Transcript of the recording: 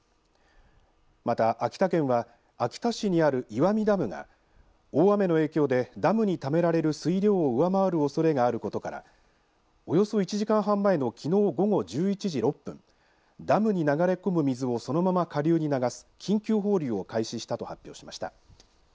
また、秋田県は秋田市にある岩見ダムが大雨の影響でダムにためられる水量を上回るおそれがあることからおよそ１時間半前のきのう午後１１時６分ダムに流れ込む水をそのまま下流に流す緊急放流を開始したと発表しました。